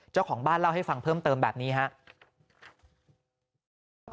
เจ้าของบ้านเล่าให้ฟังเพิ่มเติมแบบนี้ครับ